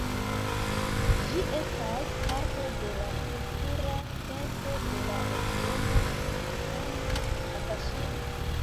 Ĝi estas parto de la Kultura Centro de la regiono Kitami-Abaŝiri.